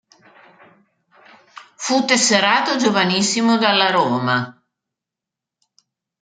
Fu tesserato giovanissimo dalla Roma.